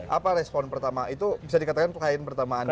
apa respon pertama itu bisa dikatakan pertanyaan pertama anda